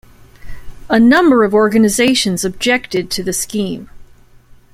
A number of organisations objected to the scheme.